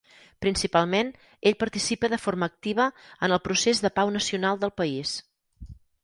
Principalment, ell participa de forma activa en el Procés de Pau Nacional del país.